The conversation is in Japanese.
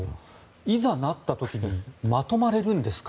いざ、なった時にまとまれるんですか？